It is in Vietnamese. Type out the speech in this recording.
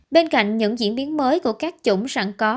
bên cạnh những diễn biến mới của các chủng sẵn có